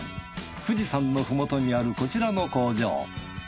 富士山の麓にあるこちらの工場。